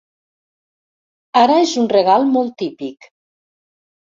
Ara és un regal molt típic.